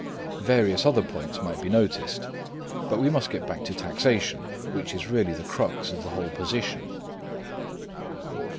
Various other points might be noticed; but we must get back to taxation, which is really the crux of the whole position.